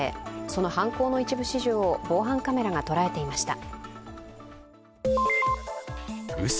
その犯行の一部始終を防犯カメラがとらえていました。